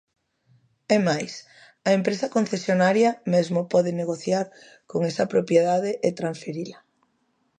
É máis, a empresa concesionaria mesmo pode negociar con esa propiedade e transferila.